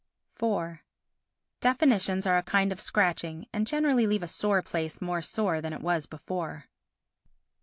iv Definitions are a kind of scratching and generally leave a sore place more sore than it was before.